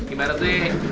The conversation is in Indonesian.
gimana tuh ya